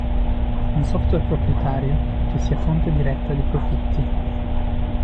Un software proprietario che sia fonte diretta di profitti.